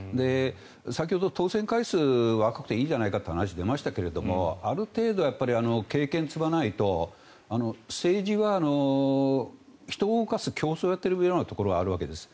先ほど当選回数若くていいじゃないかという話がありましたがある程度、経験を積まないと政治は人を動かす競争をやっているところがあるわけです。